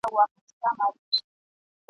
له ازل سره په جنګ یم پر راتلو مي یم پښېمانه ..